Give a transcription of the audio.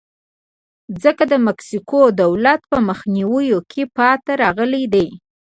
ځکه د مکسیکو دولت په مخنیوي کې پاتې راغلی دی.